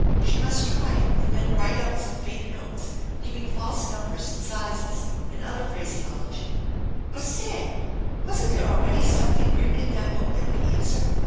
She must try it and then write out some fake notes, giving false numbers and sizes, and other phraseology. Or stay* Wasn't there already something written in that book that would answer?